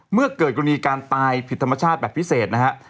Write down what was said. เมื่อเกิดกรณีการตายผิดธรรมชาติแบบพิเศษนะฮะ